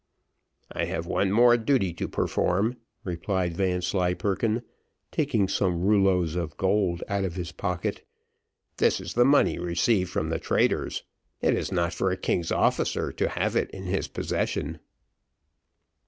"I have one more duty to perform," replied Vanslyperken, taking some rouleaus of gold out of his pocket; "this is the money received from the traitors it is not for a king's officer to have it in his possession."